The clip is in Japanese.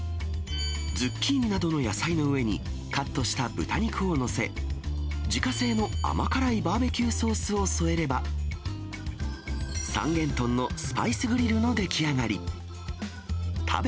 ズッキーニなどの野菜の上に、カットした豚肉を載せ、自家製の甘辛いバーベキューソースを添えれば、三元豚のスパイスグリルの出来上がり。